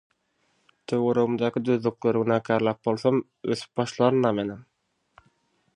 Töweregimdäki düzlükleri günäkärläp bolsam ösüp başlarynda menem.